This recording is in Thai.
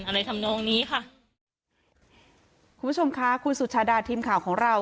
ทำนองนี้ค่ะคุณผู้ชมค่ะคุณสุชาดาทีมข่าวของเรา